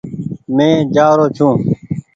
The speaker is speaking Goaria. مينٚ جآرو ڇوٚنٚ